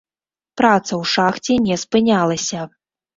Праца ў шахце не спынялася.